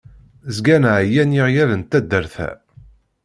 Zgan εyan yiɣyal n taddart-a.